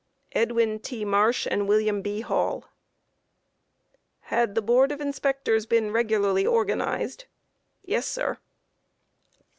A. Edwin T. Marsh and William B. Hall. Q. Had the Board of Inspectors been regularly organized? A. Yes, sir.